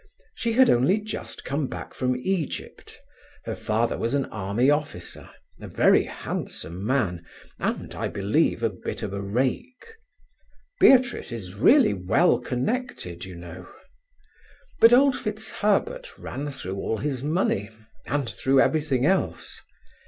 She had only just come back from Egypt. Her father was an army officer, a very handsome man, and, I believe, a bit of a rake. Beatrice is really well connected, you know. But old FitzHerbert ran through all his money, and through everything else.